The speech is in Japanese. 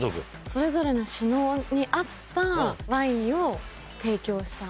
それぞれの首脳に合ったワインを提供した。